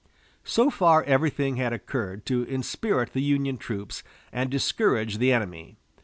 So far, everything had occurred to inspirit the Union troops and discourage the enemy.